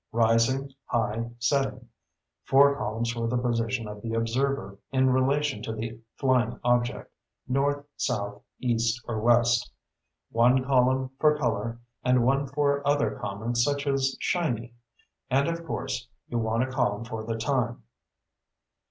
Rising, high, setting. Four columns for the position of the observer in relation to the flying object north, south, east, or west. One column for color, and one for other comments such as 'shiny.' And, of course, you want a column for the time."